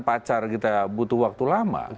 pacar kita butuh waktu lama